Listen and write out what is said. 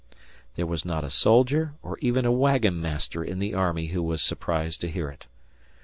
There was not a soldier or even a wagon master in the army who was surprised to hear it.